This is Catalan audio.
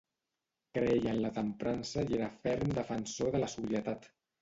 Creia en la temprança i era ferm defensor de la sobrietat.